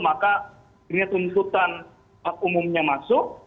maka ini tuntutan hak umumnya masuk